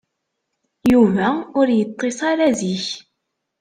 Yuba ur yeṭṭis ara zik.